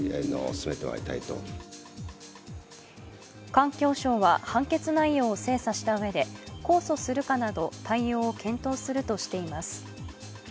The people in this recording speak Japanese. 環境省は判決内容を精査したうえで控訴するかなど対応を検討するとしています。